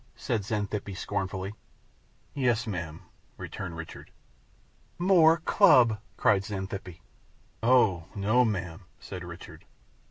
said Xanthippe, scornfully. "Yes, ma'am," returned Richard. "More club!" cried Xanthippe. "Oh no, ma'am," said Richard.